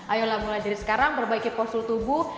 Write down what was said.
ayolah mulai dari sekarang perbaiki postur tubuh